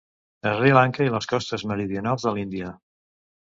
Sri Lanka i les costes meridionals de l'Índia.